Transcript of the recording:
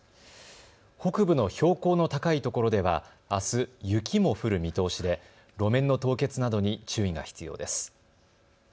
北部の標高の高いところではあす雪も降る見通しで路面の凍結などに注意が必要です。